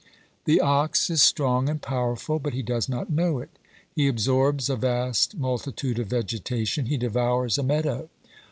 The ox is strong and powerful, but he does not know it. He absorbs a vast multitude of vegetation ; he devours a meadow.